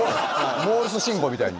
モールス信号みたいに。